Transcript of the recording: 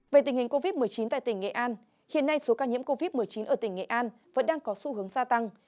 về tình hình covid một mươi chín tại tỉnh nghệ an hiện nay số ca nhiễm covid một mươi chín ở tỉnh nghệ an vẫn đang có xu hướng gia tăng